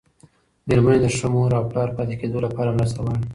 مېرمنې د ښه مور او پلار پاتې کېدو لپاره مرسته غواړي.